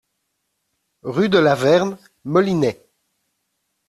Rue de la Verne, Molinet